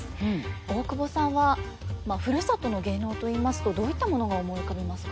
大久保さんはふるさとの芸能といいますとどういったものが思い浮かびますか？